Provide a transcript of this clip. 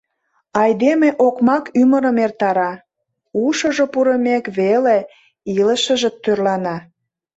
Айдеме окмак ӱмырым эртара, ушыжо пурымек веле илышыже тӧрлана...